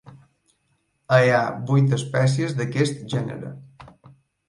Hi ha vuit espècies d'aquest gènere.